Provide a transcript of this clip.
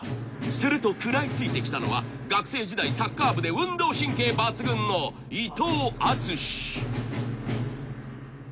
すると食らいついてきたのは学生時代サッカー部で運動神経抜群の伊藤淳史